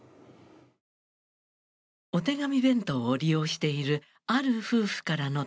お手紙弁当を利用しているある夫婦からの手紙です。